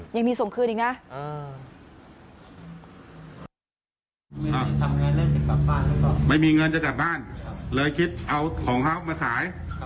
ยังมีส่งคืนอีกนะ